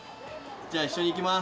じゃあ一緒に行きます。